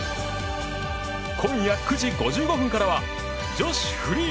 今夜９時５５分からは女子フリー。